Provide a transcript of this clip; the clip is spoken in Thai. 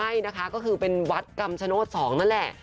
ใช่นะคะก็คือเป็นวัดกำชโนธ๒นั่นแหละ